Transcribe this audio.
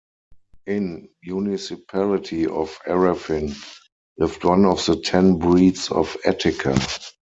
In municipality of Arafin, lived one of the ten breeds of Attica.